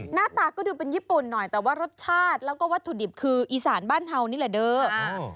หน้าตาก็ดูเป็นญี่ปุ่นหน่อยแต่ว่ารสชาติแล้วก็วัตถุดิบคืออีสานบ้านเฮานี่แหละเด้อ